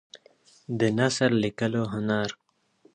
د نثر لیکلو هنر